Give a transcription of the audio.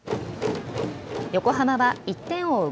横浜は１点を追う